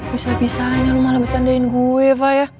bisa bisanya lo malah bercandain gue fai ya